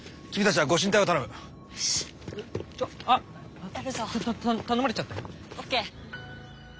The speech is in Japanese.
ちょあっ頼まれちゃった。ＯＫ！